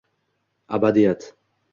Abadiyat